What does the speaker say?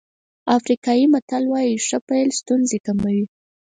افریقایي متل وایي ښه پيل ستونزې کموي.